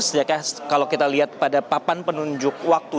sejaknya kalau kita lihat pada papan penunjuk waktu